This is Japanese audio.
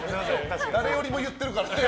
誰よりも言ってるからね。